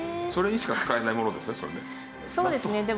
それにしか使えないものですよね？